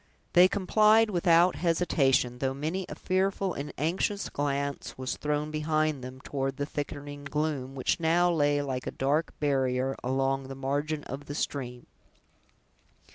They complied without hesitation, though many a fearful and anxious glance was thrown behind them, toward the thickening gloom, which now lay like a dark barrier along the margin of the stream.